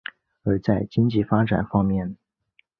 而在经济发展方面。